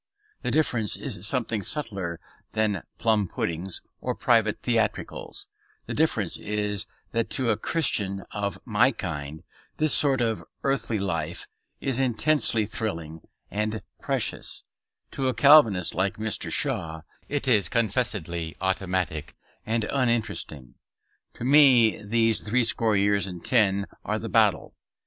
The difference is something subtler than plum puddings or private theatricals; the difference is that to a Christian of my kind this short earthly life is intensely thrilling and precious; to a Calvinist like Mr. Shaw it is confessedly automatic and uninteresting. To me these threescore years and ten are the battle.